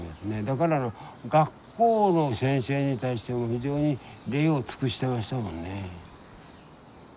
だから学校の先生に対しても非常に礼を尽くしてましたもんね。